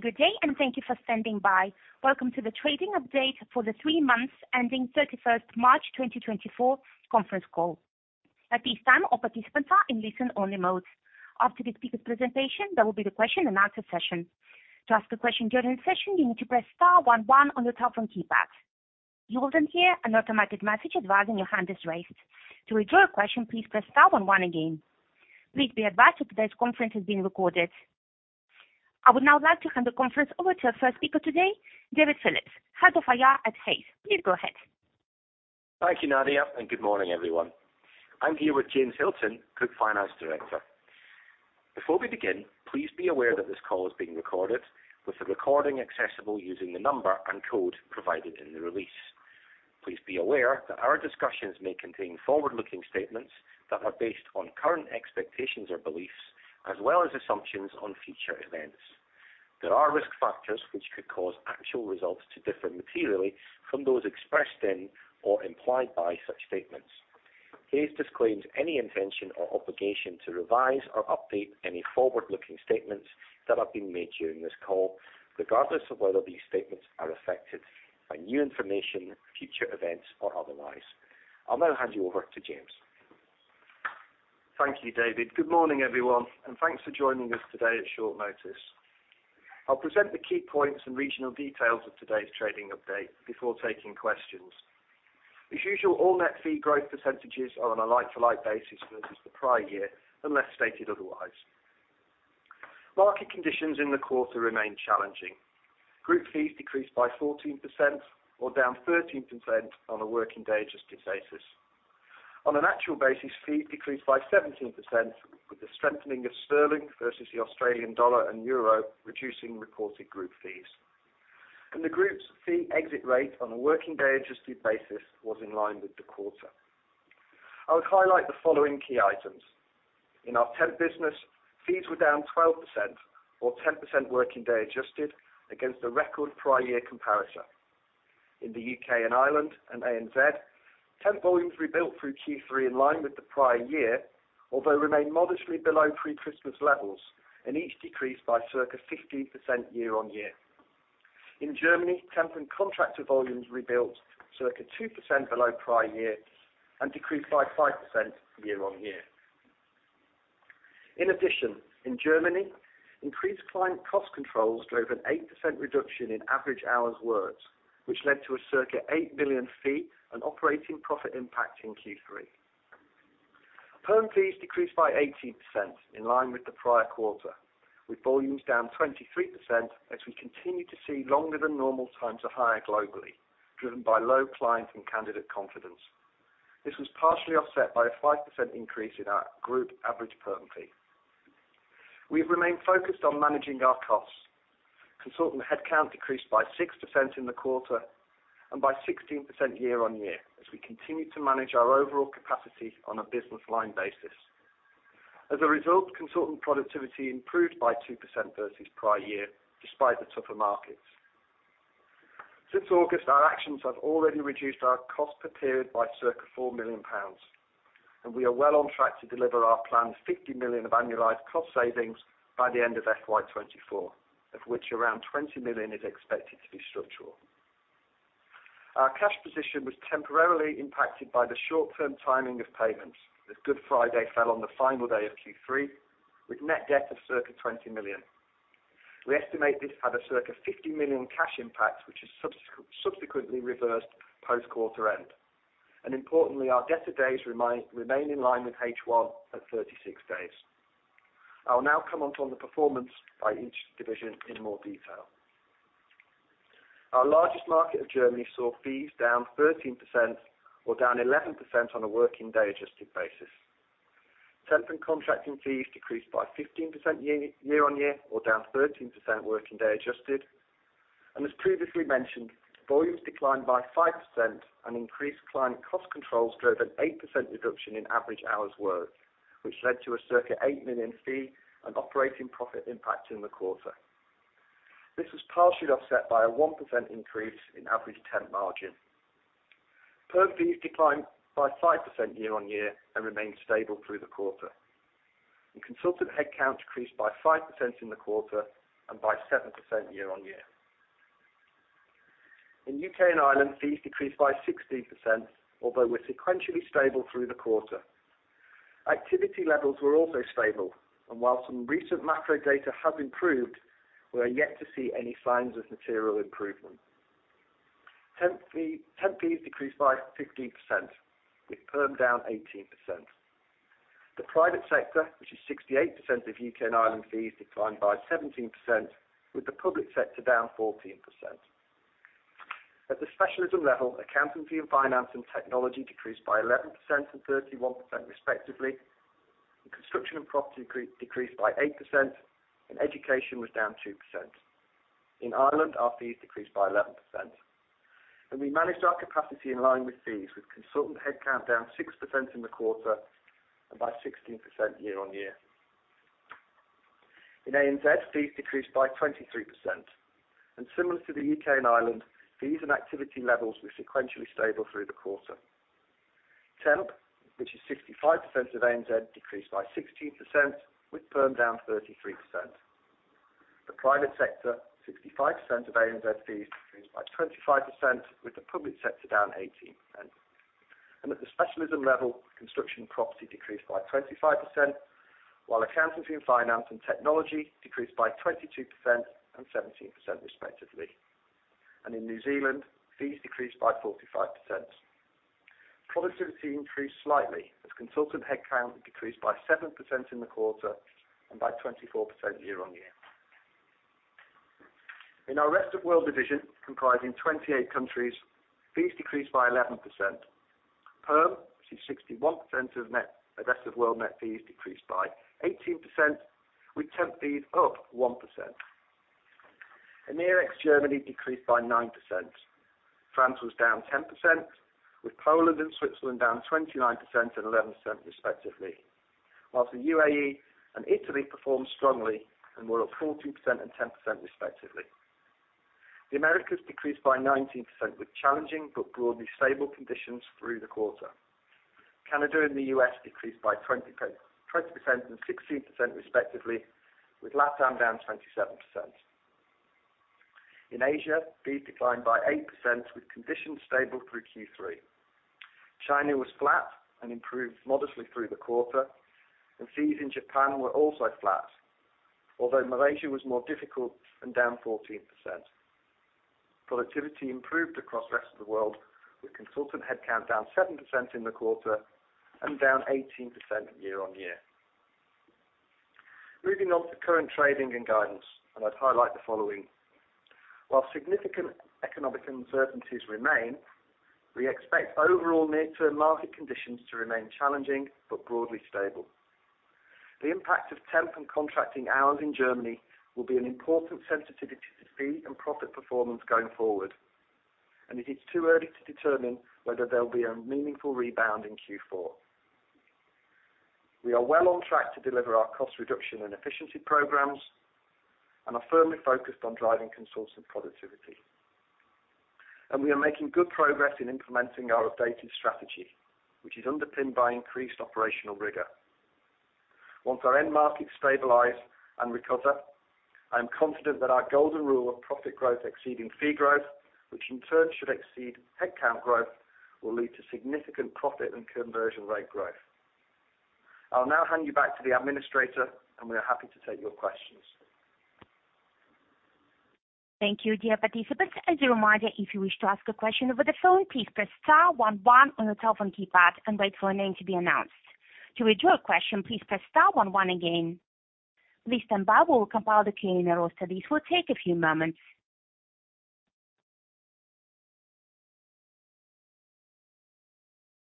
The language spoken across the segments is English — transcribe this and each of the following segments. Good day and thank you for standing by. Welcome to the trading update for the three months ending 31 March 2024 conference call. At this time, all participants are in listen-only mode. After the speaker's presentation, there will be the question-and-answer session. To ask a question during the session, you need to press star one one on your telephone keypad. You will then hear an automated message advising your hand is raised. To withdraw a question, please press star one one again. Please be advised that today's conference is being recorded. I would now like to hand the conference over to our first speaker today, David Phillips, Head of IR at Hays. Please go ahead. Thank you, Nadia, and good morning, everyone. I'm here with James Hilton, Group Finance Director. Before we begin, please be aware that this call is being recorded, with the recording accessible using the number and code provided in the release. Please be aware that our discussions may contain forward-looking statements that are based on current expectations or beliefs, as well as assumptions on future events. There are risk factors which could cause actual results to differ materially from those expressed in or implied by such statements. Hays disclaims any intention or obligation to revise or update any forward-looking statements that have been made during this call, regardless of whether these statements are affected by new information, future events, or otherwise. I'll now hand you over to James. Thank you, David. Good morning, everyone, and thanks for joining us today at short notice. I'll present the key points and regional details of today's trading update before taking questions. As usual, all net fee growth percentages are on a like-for-like basis versus the prior year, unless stated otherwise. Market conditions in the quarter remain challenging. Group fees decreased by 14%, or down 13% on a working-day-adjusted basis. On an actual basis, fees decreased by 17%, with the strengthening of sterling versus the Australian dollar and euro reducing reported group fees. The group's fee exit rate on a working-day-adjusted basis was in line with the quarter. I would highlight the following key items. In our Temp business, fees were down 12%, or 10% working-day-adjusted, against a record prior-year comparison. In the U.K. and Ireland and ANZ, Temp volumes rebuilt through Q3 in line with the prior year, although remained modestly below pre-Christmas levels, and each decreased by circa 15% year-on-year. In Germany, Temp and contractor volumes rebuilt circa 2% below prior year and decreased by 5% year-on-year. In addition, in Germany, increased client cost controls drove an 8% reduction in average hours' worth, which led to a circa 8 million fee and operating profit impact in Q3. Perm fees decreased by 18% in line with the prior quarter, with volumes down 23% as we continue to see longer-than-normal times to hire globally, driven by low client and candidate confidence. This was partially offset by a 5% increase in our group average Perm fee. We have remained focused on managing our costs. Consultant headcount decreased by 6% in the quarter and by 16% year-on-year as we continue to manage our overall capacity on a business-line basis. As a result, consultant productivity improved by 2% versus prior year despite the tougher markets. Since August, our actions have already reduced our cost per period by circa 4 million pounds, and we are well on track to deliver our planned 50 million of annualized cost savings by the end of FY 2024, of which around 20 million is expected to be structural. Our cash position was temporarily impacted by the short-term timing of payments, as Good Friday fell on the final day of Q3, with net debt of circa 20 million. We estimate this had a circa 50 million cash impact, which has subsequently reversed post-quarter end. Importantly, our debt to days remain in line with H1 at 36 days. I will now come onto the performance by each division in more detail. Our largest market of Germany saw fees down 13%, or down 11% on a working-day-adjusted basis. Temp and contracting fees decreased by 15% year-on-year, or down 13% working-day-adjusted. And as previously mentioned, volumes declined by 5%, and increased client cost controls drove an 8% reduction in average hours' worth, which led to a circa 8 million fee and operating profit impact in the quarter. This was partially offset by a 1% increase in average temp margin. Perm fees declined by 5% year-on-year and remained stable through the quarter. And consultant headcount decreased by 5% in the quarter and by 7% year-on-year. In U.K. and Ireland, fees decreased by 16%, although were sequentially stable through the quarter. Activity levels were also stable, and while some recent macro data has improved, we are yet to see any signs of material improvement. Temp fees decreased by 15%, with Perm down 18%. The private sector, which is 68% of U.K. and Ireland fees, declined by 17%, with the public sector down 14%. At the specialism level, accountancy and finance and technology decreased by 11% and 31% respectively. Construction and property decreased by 8%, and education was down 2%. In Ireland, our fees decreased by 11%. We managed our capacity in line with fees, with consultant headcount down 6% in the quarter and by 16% year-on-year. In ANZ, fees decreased by 23%. Similar to the U.K. and Ireland, fees and activity levels were sequentially stable through the quarter. Temp, which is 65% of ANZ, decreased by 16%, with Perm down 33%. The private sector, 65% of ANZ fees, decreased by 25%, with the public sector down 18%. At the specialism level, construction and property decreased by 25%, while accountancy and finance and technology decreased by 22% and 17% respectively. In New Zealand, fees decreased by 45%. Productivity increased slightly, as consultant headcount decreased by 7% in the quarter and by 24% year-on-year. In our rest of world division, comprising 28 countries, fees decreased by 11%. Perm, which is 61% of the rest of world net fees, decreased by 18%, with Temp fees up 1%. EMEA ex-Germany decreased by 9%. France was down 10%, with Poland and Switzerland down 29% and 11% respectively, while the UAE and Italy performed strongly and were up 14% and 10% respectively. The Americas decreased by 19%, with challenging but broadly stable conditions through the quarter. Canada and the U.S. decreased by 20% and 16% respectively, with LATAM down 27%. In Asia, fees declined by 8%, with conditions stable through Q3. China was flat and improved modestly through the quarter, and fees in Japan were also flat, although Malaysia was more difficult and down 14%. Productivity improved across the rest of the world, with consultant headcount down 7% in the quarter and down 18% year-on-year. Moving on to current trading and guidance, and I'd highlight the following. While significant economic uncertainties remain, we expect overall near-term market conditions to remain challenging but broadly stable. The impact of Temp and contracting hours in Germany will be an important sensitivity to fee and profit performance going forward, and it is too early to determine whether there will be a meaningful rebound in Q4. We are well on track to deliver our cost reduction and efficiency programs, and are firmly focused on driving consultant productivity. We are making good progress in implementing our updated strategy, which is underpinned by increased operational rigor. Once our end markets stabilize and recover, I am confident that our golden rule of profit growth exceeding fee growth, which in turn should exceed headcount growth, will lead to significant profit and conversion rate growth. I'll now hand you back to the administrator, and we are happy to take your questions. Thank you, dear participants. As a reminder, if you wish to ask a question over the phone, please press star 11 on your telephone keypad and wait for a name to be announced. To withdraw a question, please press star 11 again. Please stand by. We will compile the Q&A roster. This will take a few moments.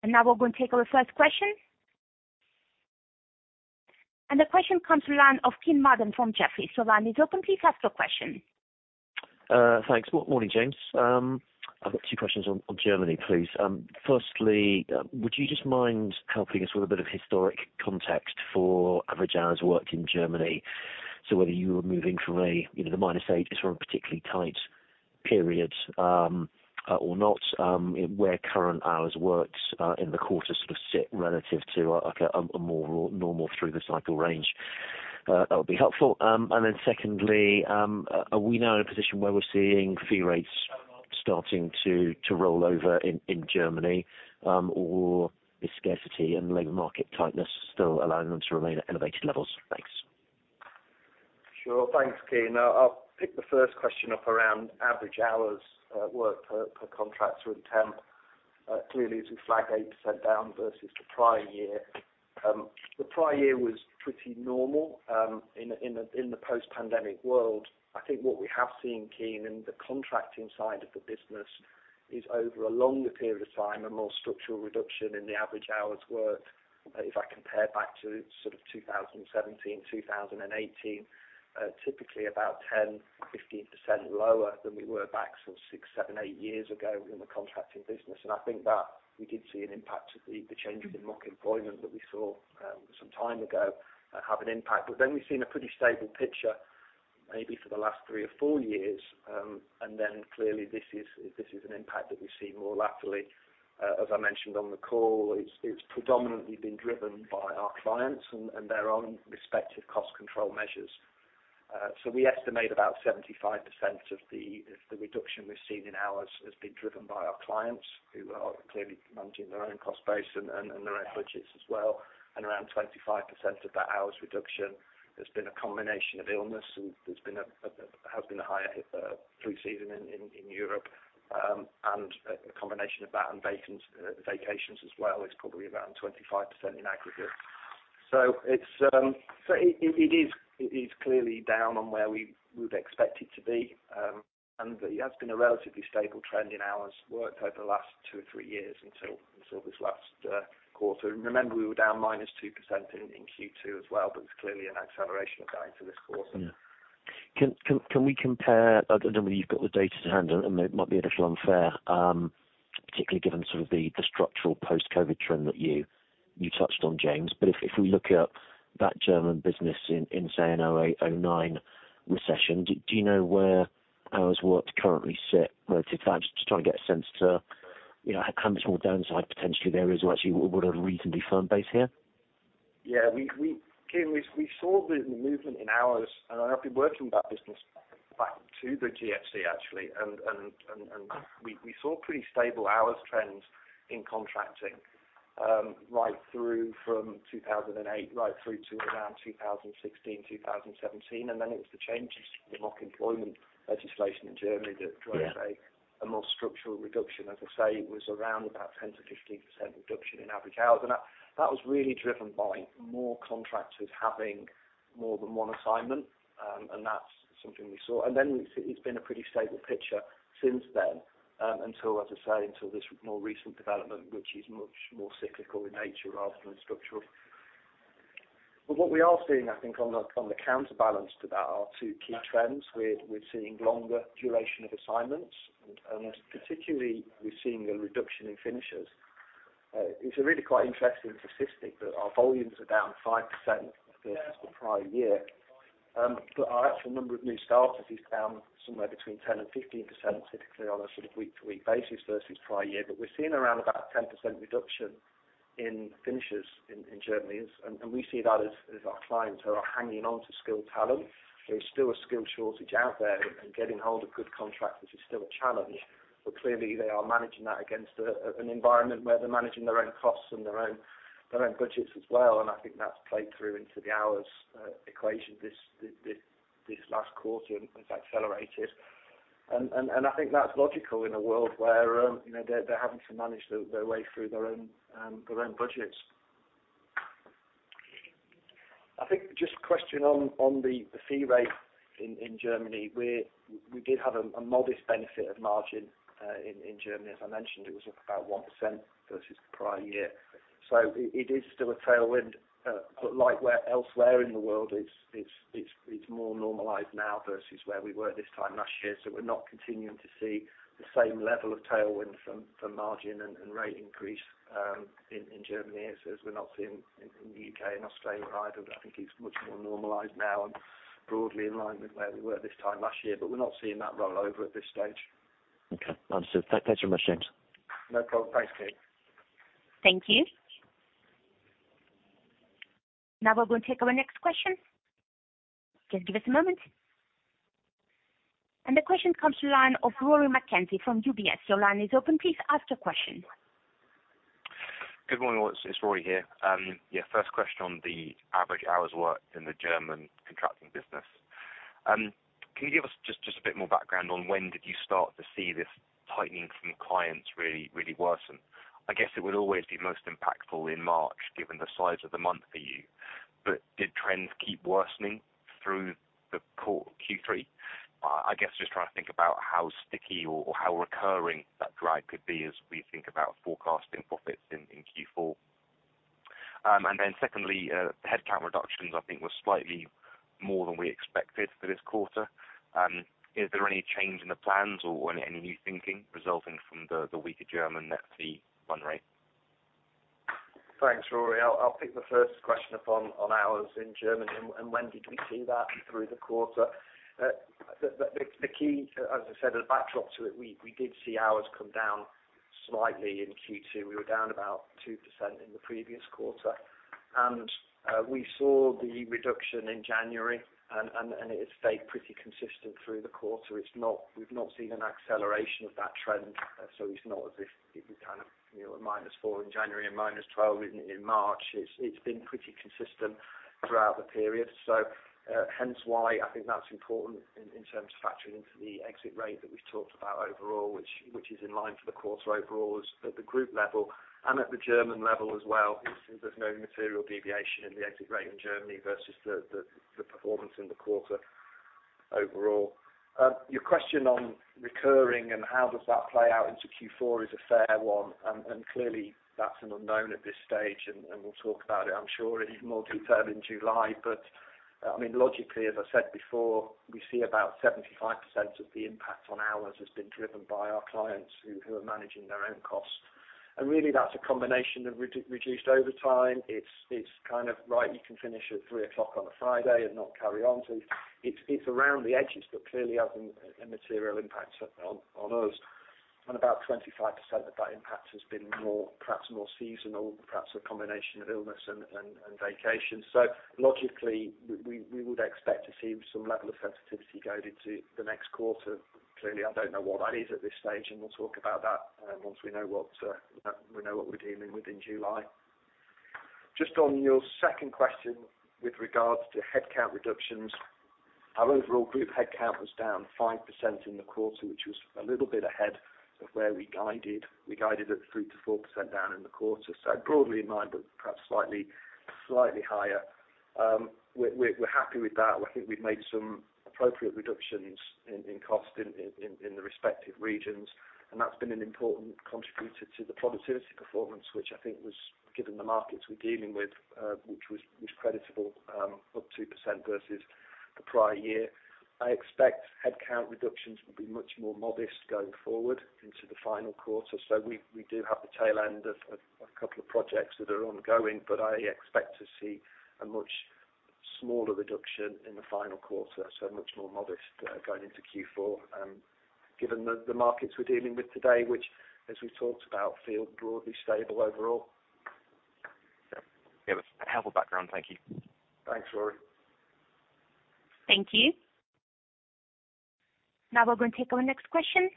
And now we're going to take our first question. And the question comes from Kean Marden from Jefferies. So the line is open. Please ask your question. Thanks. Morning, James. I've got two questions on Germany, please. Firstly, would you just mind helping us with a bit of historic context for average hours worked in Germany, so whether you were moving from the -8 is from a particularly tight period or not, where current hours worked in the quarter sort of sit relative to a more normal through-the-cycle range? That would be helpful. And then secondly, are we now in a position where we're seeing fee rates starting to roll over in Germany, or is scarcity and labor market tightness still allowing them to remain at elevated levels? Thanks. Sure. Thanks, Kean. I'll pick the first question up around average hours worked per contractor in Temp. Clearly, as we flag 8% down versus the prior year, the prior year was pretty normal in the post-pandemic world. I think what we have seen, Kean, in the contracting side of the business is over a longer period of time, a more structural reduction in the average hours worked. If I compare back to sort of 2017, 2018, typically about 10%-15% lower than we were back sort of six, seven, eight years ago in the contracting business. And I think that we did see an impact of the change in AÜG that we saw some time ago have an impact. But then we've seen a pretty stable picture, maybe for the last three or four years. And then clearly, this is an impact that we see more laterally. As I mentioned on the call, it's predominantly been driven by our clients and their own respective cost control measures. So we estimate about 75% of the reduction we've seen in hours has been driven by our clients, who are clearly managing their own cost base and their own budgets as well. And around 25% of that hours reduction has been a combination of illness. There has been a higher flu season in Europe. And a combination of that and vacations as well is probably around 25% in aggregate. So it is clearly down on where we would expect it to be. And there has been a relatively stable trend in hours worked over the last two or three years until this last quarter. And remember, we were down -2% in Q2 as well, but it's clearly an acceleration of that into this quarter. Can we compare? I don't know whether you've got the data to hand, and it might be a little unfair, particularly given sort of the structural post-COVID trend that you touched on, James. But if we look at that German business in, say, an 2008, 2009 recession, do you know where hours worked currently sit relative to that? Just trying to get a sense to how much more downside potentially there is, or actually what a reasonably firm base here. Yeah. Kean, we saw the movement in hours. I've been working with that business back to the GFC, actually. We saw pretty stable hours trends in contracting from 2008 right through to around 2016, 2017. Then it was the change of the AÜG legislation in Germany that drove a more structural reduction. As I say, it was around about 10%-15% reduction in average hours. That was really driven by more contractors having more than one assignment. That's something we saw. Then it's been a pretty stable picture since then, as I say, until this more recent development, which is much more cyclical in nature rather than structural. But what we are seeing, I think, on the counterbalance to that are two key trends. We're seeing longer duration of assignments. Particularly, we're seeing a reduction in finishers. It's a really quite interesting statistic that our volumes are down 5% versus the prior year. But our actual number of new starters is down somewhere between 10%-15%, typically on a sort of week-to-week basis versus prior year. But we're seeing around about a 10% reduction in finishers in Germany. And we see that as our clients, who are hanging onto skilled talent. There is still a skill shortage out there. And getting hold of good contractors is still a challenge. But clearly, they are managing that against an environment where they're managing their own costs and their own budgets as well. And I think that's played through into the hours equation this last quarter and has accelerated. And I think that's logical in a world where they're having to manage their way through their own budgets. I think just a question on the fee rate in Germany. We did have a modest benefit of margin in Germany. As I mentioned, it was up about 1% versus the prior year. So it is still a tailwind. But like elsewhere in the world, it's more normalized now versus where we were this time last year. So we're not continuing to see the same level of tailwind from margin and rate increase in Germany, as we're not seeing in the U.K. and Australia either. I think it's much more normalized now and broadly in line with where we were this time last year. But we're not seeing that roll over at this stage. Okay. Understood. Thanks very much, James. No problem. Thanks, Kean. Thank you. Now we're going to take our next question. Just give us a moment. The question comes from Rory McKenzie from UBS. Your line is open. Please ask your question. Good morning. It's Rory here. Yeah. First question on the average hours worked in the German contracting business. Can you give us just a bit more background on when did you start to see this tightening from clients really worsen? I guess it would always be most impactful in March given the size of the month for you. But did trends keep worsening through the Q3? I guess just trying to think about how sticky or how recurring that drag could be as we think about forecasting profits in Q4. And then secondly, headcount reductions, I think, were slightly more than we expected for this quarter. Is there any change in the plans or any new thinking resulting from the weaker German net fee run rate? Thanks, Rory. I'll pick the first question up on hours in Germany. And when did we see that through the quarter? As I said, as a backdrop to it, we did see hours come down slightly in Q2. We were down about 2% in the previous quarter. And we saw the reduction in January, and it has stayed pretty consistent through the quarter. We've not seen an acceleration of that trend. So it's not as if it was kind of a -4 in January and -12 in March. It's been pretty consistent throughout the period. So hence why I think that's important in terms of factoring into the exit rate that we've talked about overall, which is in line for the quarter overall at the group level and at the German level as well. There's no material deviation in the exit rate in Germany versus the performance in the quarter overall. Your question on recurring and how does that play out into Q4 is a fair one. Clearly, that's an unknown at this stage. We'll talk about it, I'm sure, in more detail in July. I mean, logically, as I said before, we see about 75% of the impact on hours has been driven by our clients who are managing their own costs. Really, that's a combination of reduced overtime. It's kind of, "Right, you can finish at 3:00 P.M. on a Friday and not carry on." It's around the edges, but clearly hasn't a material impact on us. About 25% of that impact has been perhaps more seasonal, perhaps a combination of illness and vacation. So logically, we would expect to see some level of sensitivity going into the next quarter. Clearly, I don't know what that is at this stage. And we'll talk about that once we know what we're dealing with in July. Just on your second question with regards to headcount reductions, our overall group headcount was down 5% in the quarter, which was a little bit ahead of where we guided. We guided at 3%-4% down in the quarter. So broadly in mind, but perhaps slightly higher. We're happy with that. I think we've made some appropriate reductions in cost in the respective regions. And that's been an important contributor to the productivity performance, which I think was given the markets we're dealing with, which was creditable, up 2% versus the prior year. I expect headcount reductions will be much more modest going forward into the final quarter. We do have the tail end of a couple of projects that are ongoing. But I expect to see a much smaller reduction in the final quarter, so much more modest going into Q4, given the markets we're dealing with today, which, as we've talked about, feel broadly stable overall. Yeah. Yeah. That's a helpful background. Thank you. Thanks, Rory. Thank you. Now we're going to take our next question.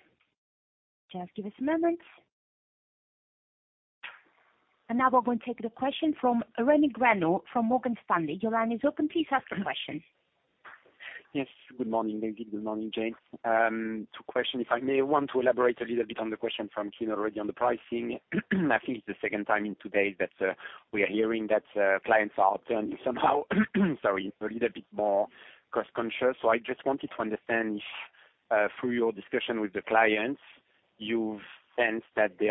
Just give us a moment. Now we're going to take the question from Remi Grenu from Morgan Stanley. Your line is open. Please ask your question. Yes. Good morning. Good morning, James. Two questions. If I may, I want to elaborate a little bit on the question from Kean already on the pricing. I think it's the second time in two days that we are hearing that clients are turning somehow sorry, a little bit more cost-conscious. So I just wanted to understand if, through your discussion with the clients, you've sensed that they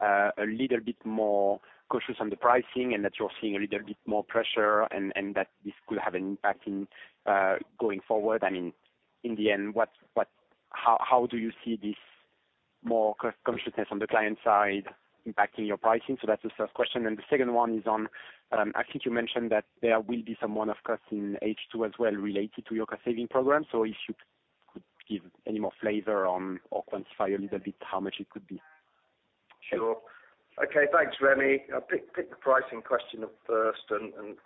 are a little bit more cautious on the pricing and that you're seeing a little bit more pressure and that this could have an impact going forward. I mean, in the end, how do you see this more cost-consciousness on the client side impacting your pricing? So that's the first question. And the second one is on I think you mentioned that there will be some one-off costs in H2 as well related to your cost-saving program. If you could give any more flavor or quantify a little bit how much it could be. Sure. Okay. Thanks, Remi. I'll pick the pricing question up first. And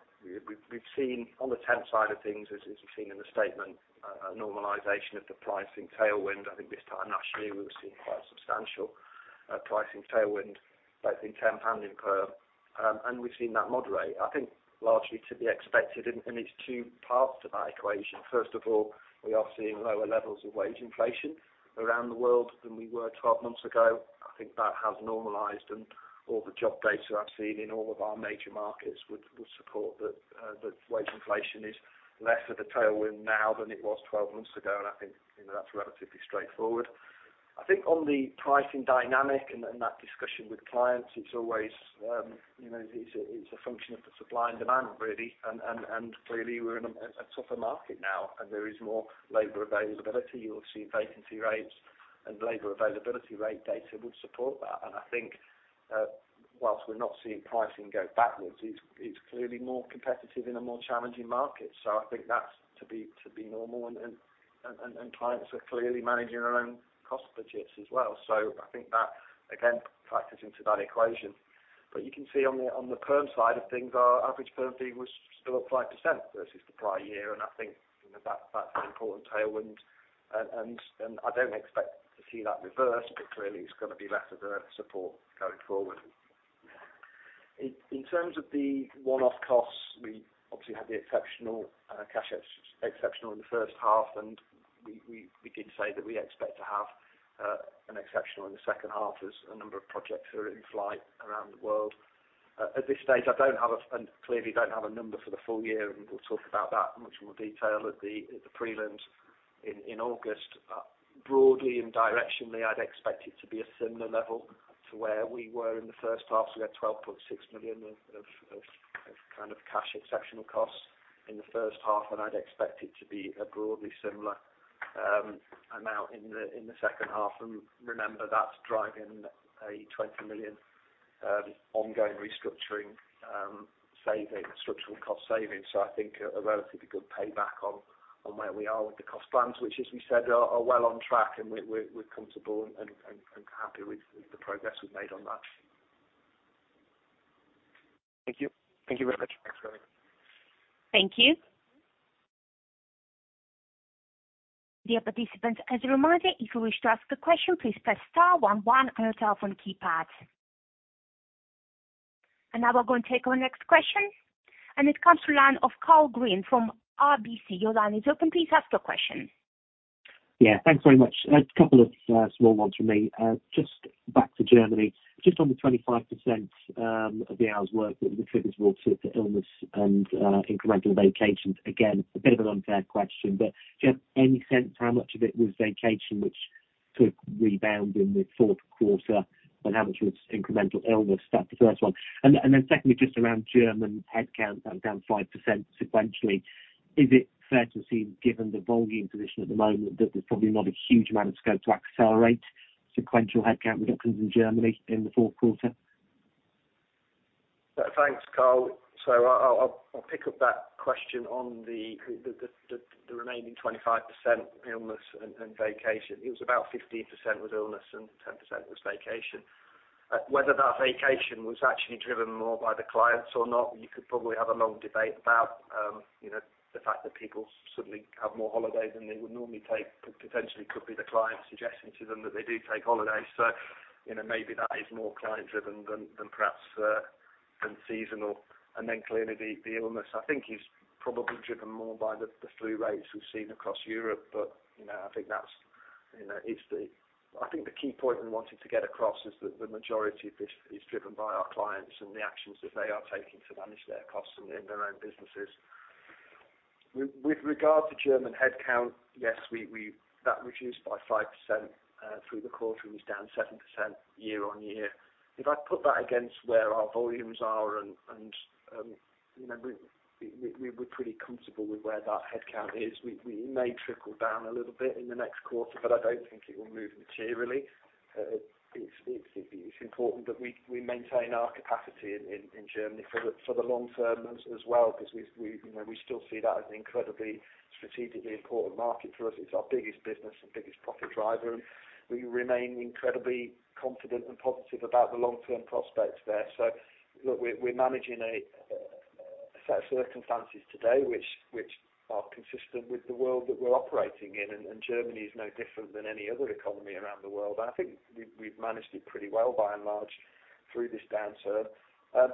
we've seen, on the Temp side of things, as we've seen in the statement, a normalization of the pricing tailwind. I think this time last year, we were seeing quite a substantial pricing tailwind, both in Temp and in Perm. And we've seen that moderate, I think, largely to be expected. And it's two parts to that equation. First of all, we are seeing lower levels of wage inflation around the world than we were 12 months ago. I think that has normalized. And all the job data I've seen in all of our major markets would support that wage inflation is less of a tailwind now than it was 12 months ago. And I think that's relatively straightforward. I think on the pricing dynamic and that discussion with clients, it's always a function of the supply and demand, really. Clearly, we're in a tougher market now. There is more labor availability. You'll see vacancy rates. Labor availability rate data would support that. I think while we're not seeing pricing go backwards, it's clearly more competitive in a more challenging market. So I think that's to be normal. Clients are clearly managing their own cost budgets as well. So I think that, again, factors into that equation. But you can see on the perm side of things, our average perm fee was still up 5% versus the prior year. I think that's an important tailwind. I don't expect to see that reverse. Clearly, it's going to be less of a support going forward. In terms of the one-off costs, we obviously had the exceptional in the first half. We did say that we expect to have an exceptional in the second half as a number of projects are in flight around the world. At this stage, I don't have, and clearly, don't have a number for the full year. We'll talk about that in much more detail at the prelims in August. Broadly and directionally, I'd expect it to be a similar level to where we were in the first half. We had 12.6 million of kind of cash exceptional costs in the first half. I'd expect it to be a broadly similar amount in the second half. Remember, that's driving a 20 million ongoing restructuring saving, structural cost saving. I think a relatively good payback on where we are with the cost plans, which, as we said, are well on track. We're comfortable and happy with the progress we've made on that. Thank you. Thank you very much. Thanks, Remi. Thank you. Dear participants, as a reminder, if you wish to ask a question, please press star one one on your telephone keypad. Now we're going to take our next question. It comes from the line of Karl Green from RBC. Your line is open. Please ask your question. Yeah. Thanks very much. A couple of small ones from me. Just back to Germany. Just on the 25% of the hours worked that was attributable to illness and incremental vacation, again, a bit of an unfair question. But do you have any sense how much of it was vacation, which could rebound in the fourth quarter, and how much was incremental illness? That's the first one. And then secondly, just around German headcount, that was down 5% sequentially. Is it fair to see, given the volume position at the moment, that there's probably not a huge amount of scope to accelerate sequential headcount reductions in Germany in the fourth quarter? Thanks, Karl. So I'll pick up that question on the remaining 25% illness and vacation. It was about 15% was illness and 10% was vacation. Whether that vacation was actually driven more by the clients or not, you could probably have a long debate about the fact that people suddenly have more holiday than they would normally take potentially could be the clients suggesting to them that they do take holiday. So maybe that is more client-driven than perhaps than seasonal. And then clearly, the illness, I think, is probably driven more by the flu rates we've seen across Europe. But I think that's I think the key point we wanted to get across is that the majority of this is driven by our clients and the actions that they are taking to manage their costs in their own businesses. With regard to German headcount, yes, that reduced by 5% through the quarter and is down 7% year-on-year. If I put that against where our volumes are and we're pretty comfortable with where that headcount is, it may trickle down a little bit in the next quarter. But I don't think it will move materially. It's important that we maintain our capacity in Germany for the long term as well because we still see that as an incredibly strategically important market for us. It's our biggest business and biggest profit driver. And we remain incredibly confident and positive about the long-term prospects there. So look, we're managing a set of circumstances today, which are consistent with the world that we're operating in. And Germany is no different than any other economy around the world. And I think we've managed it pretty well, by and large, through this downturn.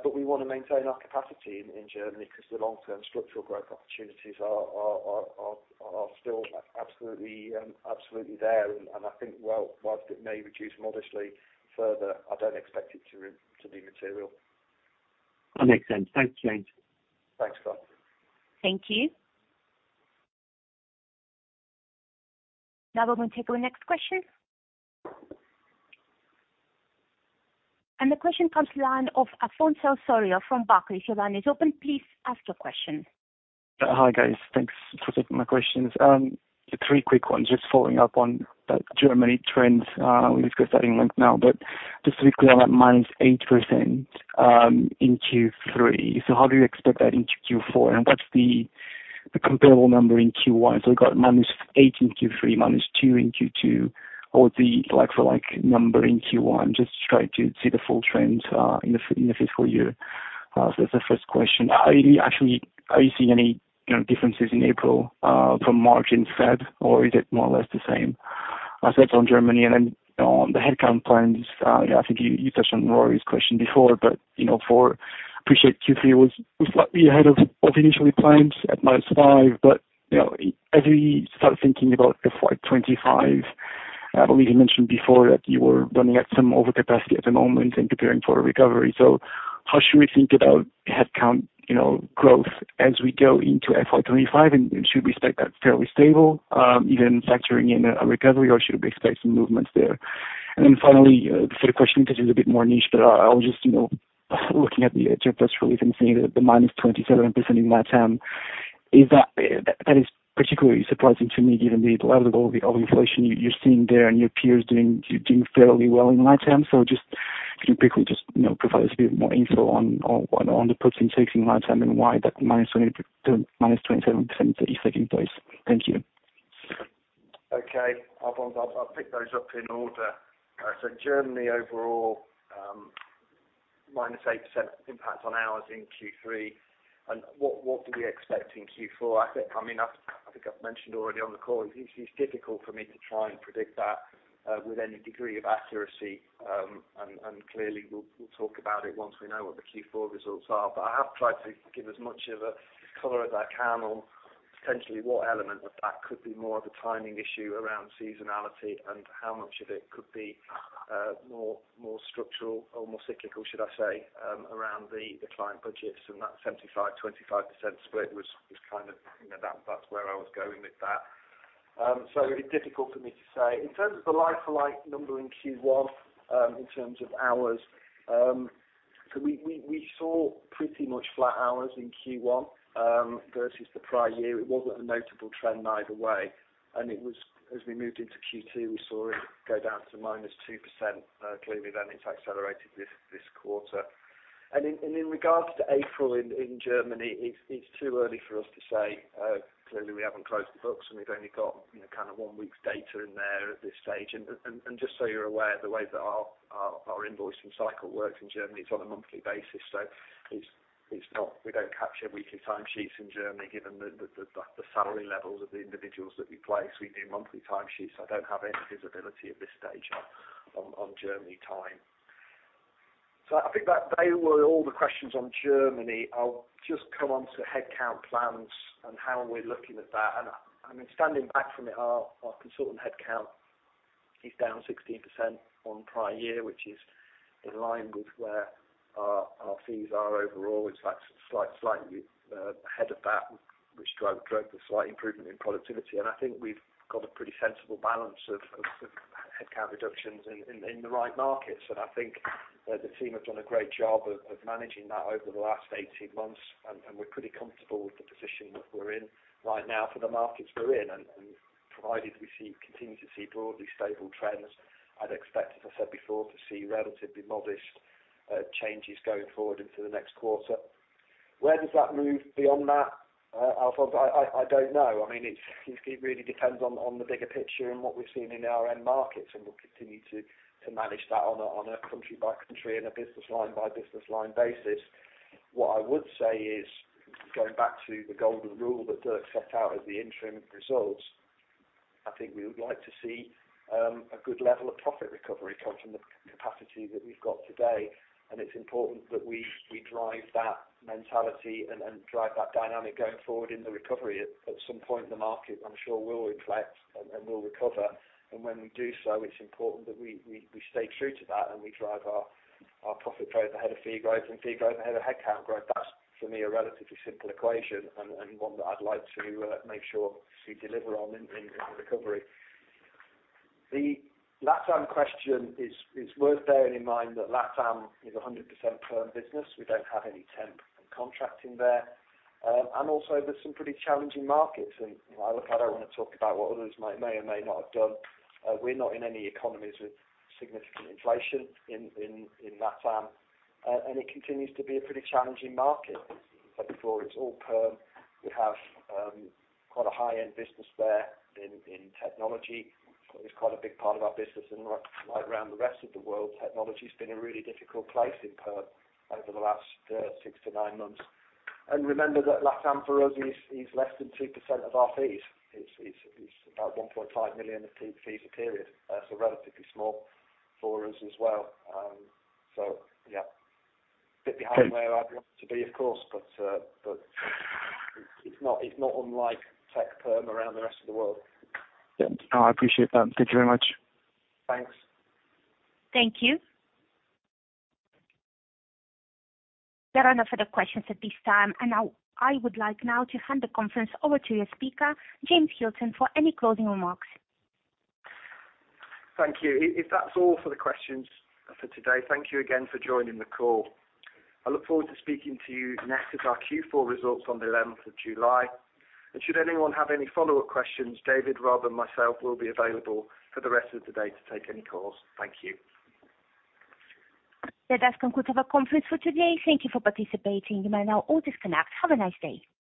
We want to maintain our capacity in Germany because the long-term structural growth opportunities are still absolutely there. I think whilst it may reduce modestly further, I don't expect it to be material. That makes sense. Thanks, James Thanks, Carl. Thank you. Now we're going to take our next question. The question comes to the line of Afonso Osorio from Barclays. Your line is open. Please ask your question. Hi, guys. Thanks for taking my questions. Three quick ones, just following up on that Germany trend we discussed at length now. But just to be clear on that, -8% in Q3. So how do you expect that into Q4? And what's the comparable number in Q1? So we've got -8% in Q3, -2% in Q2. What would the like-for-like number in Q1? Just try to see the full trends in the fiscal year. So that's the first question. Are you actually seeing any differences in April from March instead? Or is it more or less the same? So that's on Germany. And then on the headcount plans, I think you touched on Rory's question before. But I appreciate Q3 was slightly ahead of initially planned at -5%. But as we start thinking about FY 25, I believe you mentioned before that you were running at some overcapacity at the moment and preparing for a recovery. So how should we think about headcount growth as we go into FY 25? And should we expect that fairly stable, even factoring in a recovery? Or should we expect some movements there? And then finally, for the question, this is a bit more niche. But I was just looking at the JFS release and seeing the -27% in LATAM. That is particularly surprising to me, given the level of inflation you're seeing there and your peers doing fairly well in LATAM. So just can you quickly just provide us a bit more info on the puts and takes in LATAM and why that -27% is taking place? Thank you. Okay. I'll pick those up in order. So Germany overall, -8% impact on hours in Q3. And what do we expect in Q4? I mean, I think I've mentioned already on the call, it's difficult for me to try and predict that with any degree of accuracy. And clearly, we'll talk about it once we know what the Q4 results are. But I have tried to give as much of a color as I can on potentially what element of that could be more of a timing issue around seasonality and how much of it could be more structural or more cyclical, should I say, around the client budgets. And that 75%-25% split was kind of that's where I was going with that. So it's difficult for me to say. In terms of the like-for-like number in Q1, in terms of hours, so we saw pretty much flat hours in Q1 versus the prior year. It wasn't a notable trend either way. As we moved into Q2, we saw it go down to -2%. Clearly, then it's accelerated this quarter. In regard to April in Germany, it's too early for us to say. Clearly, we haven't closed the books. We've only got kind of one week's data in there at this stage. Just so you're aware, the way that our invoicing cycle works in Germany, it's on a monthly basis. So we don't capture weekly timesheets in Germany, given the salary levels of the individuals that we place. We do monthly timesheets. I don't have any visibility at this stage on Germany time. So I think that they were all the questions on Germany. I'll just come on to headcount plans and how we're looking at that. And I mean, standing back from it, our consultant headcount is down 16% on prior year, which is in line with where our fees are overall. It's slightly ahead of that, which drove a slight improvement in productivity. And I think we've got a pretty sensible balance of headcount reductions in the right markets. And I think the team have done a great job of managing that over the last 18 months. And we're pretty comfortable with the position that we're in right now for the markets we're in. And provided we continue to see broadly stable trends, I'd expect, as I said before, to see relatively modest changes going forward into the next quarter. Where does that move beyond that, Afonso? I don't know. I mean, it really depends on the bigger picture and what we're seeing in our end markets. We'll continue to manage that on a country-by-country and a business-line-by-business-line basis. What I would say is, going back to the golden rule that Dirk set out as the interim results, I think we would like to see a good level of profit recovery come from the capacity that we've got today. It's important that we drive that mentality and drive that dynamic going forward in the recovery. At some point, the market, I'm sure, will inflect and will recover. When we do so, it's important that we stay true to that and we drive our profit growth ahead of fee growth and fee growth ahead of headcount growth. That's, for me, a relatively simple equation and one that I'd like to make sure we deliver on in the recovery. The LATAM question is worth bearing in mind that LATAM is 100% perm business. We don't have any temp contracting there. Also, there's some pretty challenging markets. Look, I don't want to talk about what others may or may not have done. We're not in any economies with significant inflation in LATAM. It continues to be a pretty challenging market. As I said before, it's all perm. We have quite a high-end business there in technology. It's quite a big part of our business. Right around the rest of the world, technology's been a really difficult place in perm over the last 6-9 months. Remember that LATAM for us, it's less than 2% of our fees. It's about 1.5 million of fees a period. So relatively small for us as well. So yeah, a bit behind where I'd want to be, of course. But it's not unlike tech perm around the rest of the world. Yeah. No, I appreciate that. Thank you very much. Thanks. Thank you. There are no further questions at this time. And now I would like to hand the conference over to your speaker, James Hilton, for any closing remarks. Thank you. If that's all for the questions for today, thank you again for joining the call. I look forward to speaking to you next with our Q4 results on the 11th of July. And should anyone have any follow-up questions, David, Rob, and myself will be available for the rest of the day to take any calls. Thank you. That does conclude our conference for today. Thank you for participating. You may now all disconnect. Have a nice day.